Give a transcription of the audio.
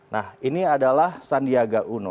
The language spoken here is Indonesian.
nah ini adalah sandiaga uno